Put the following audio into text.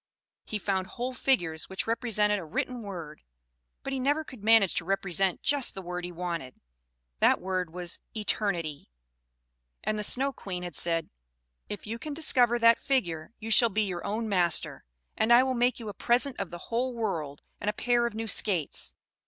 He found whole figures which represented a written word; but he never could manage to represent just the word he wanted that word was "eternity"; and the Snow Queen had said, "If you can discover that figure, you shall be your own master, and I will make you a present of the whole world and a pair of new skates."